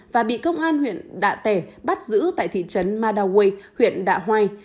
và bị công an huyện đạ tẻ bắt giữ tại thị trấn madaway huyện đạ hoai